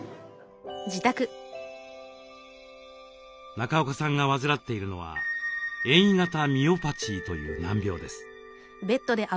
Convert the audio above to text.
中岡さんが患っているのは遠位型ミオパチーという難病です。